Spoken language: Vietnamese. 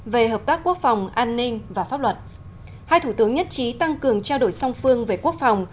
về hợp tác quốc phòng an ninh và pháp luật hai thủ tướng nhất trí tăng cường trao đổi song phương về quốc phòng